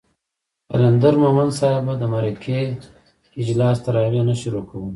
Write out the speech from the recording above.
قلندر مومند صاحب به د مرکې اجلاس تر هغې نه شروع کولو